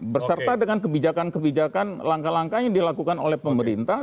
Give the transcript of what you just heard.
berserta dengan kebijakan kebijakan langkah langkah yang dilakukan oleh pemerintah